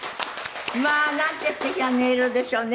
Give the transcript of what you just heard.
まあなんてすてきな音色でしょうね。